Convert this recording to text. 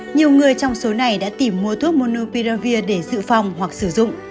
nhiều người trong số này đã tìm mua thuốc monupiravir để dự phòng hoặc sử dụng